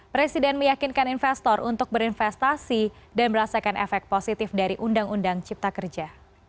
presiden meyakinkan investor untuk berinvestasi dan merasakan efek positif dari undang undang cipta kerja